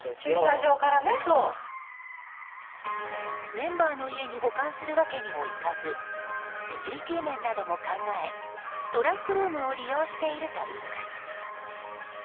メンバーの家に保管するわけにもいかずセキュリティー面なども考えトランクルームを利用しているといいます。